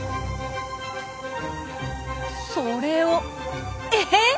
それをえっ！？